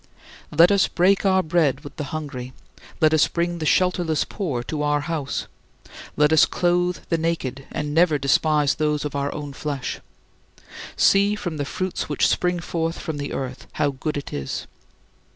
Let us break our bread with the hungry, let us bring the shelterless poor to our house; let us clothe the naked, and never despise those of our own flesh. See from the fruits which spring forth from the earth how good it is.